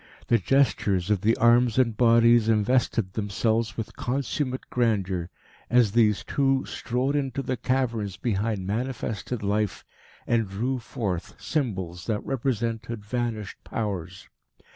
The gestures of the arms and bodies invested themselves with consummate grandeur, as these two strode into the caverns behind manifested life and drew forth symbols that represented vanished Powers.